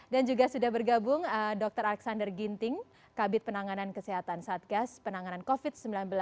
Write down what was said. dan juga sudah bergabung dr alexander ginting kabit penanganan kesehatan satgas penanganan covid sembilan belas